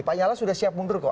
pak nyala sudah siap mundur kok